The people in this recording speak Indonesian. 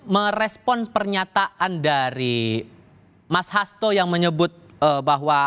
merespon pernyataan dari mas hasto yang menyebut bahwa